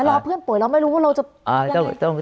ต้องรอเพื่อนป่วยเราไม่รู้ว่าเราจะยังไง